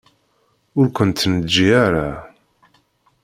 Ur kent-neǧǧi ara.